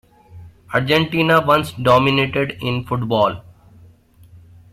Argentina once dominated in football.